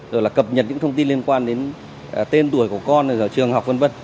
rồi là cập nhật những thông tin liên quan đến tên tuổi của con ở trường học v v